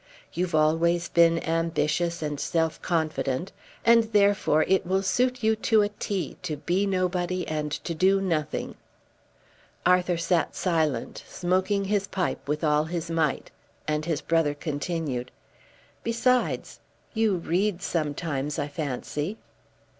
You've always been ambitious and self confident, and therefore it will suit you to a T, to be nobody and to do nothing." Arthur sat silent, smoking his pipe with all his might, and his brother continued, "Besides, you read sometimes, I fancy."